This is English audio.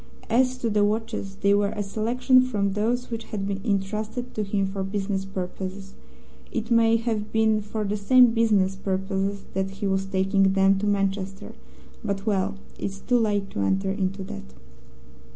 As to the watches, they were a selection from those which had been intrusted to him for business purposes. It may have been for the same business purposes that he was taking them to Manchester, but well, it's too late to enter into that.